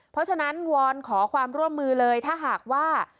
เพราะฉะนั้นวอนขอความร่วมมือเลยถ้าหากว่า